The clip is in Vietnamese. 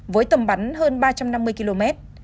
với tầm bắn hơn ba trăm năm mươi km